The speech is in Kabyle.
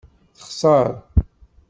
Texṣer.